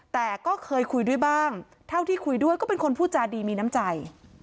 แต่ก็เคยคุยด้วยบ้างเท่าที่คุยด้วยก็เป็นคนพูดจาดีมีน้ำใจ